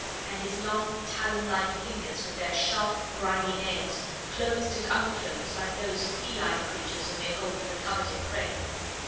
And his long, talon like fingers, with their sharp, grimy nails, closed and unclosed like those of feline creatures when they hold the coveted prey.